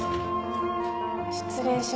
失礼します。